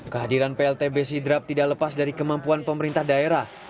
kehadiran pltb sidrap tidak lepas dari kemampuan pemerintah daerah